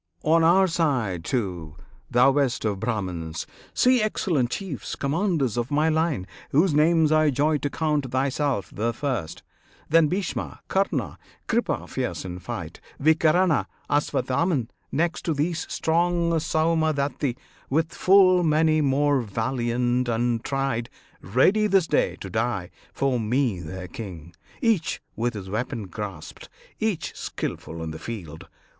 On our side, too, thou best of Brahmans! see Excellent chiefs, commanders of my line, Whose names I joy to count: thyself the first, Then Bhishma, Karna, Kripa fierce in fight, Vikarna, Aswatthaman; next to these Strong Saumadatti, with full many more Valiant and tried, ready this day to die For me their king, each with his weapon grasped, Each skilful in the field.